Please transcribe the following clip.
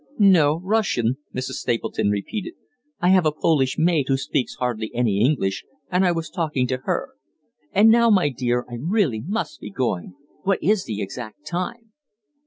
"No, Russian," Mrs. Stapleton repeated. "I have a Polish maid who speaks hardly any English, and I was talking to her. And now, my dear, I really must be going. What is the exact time?"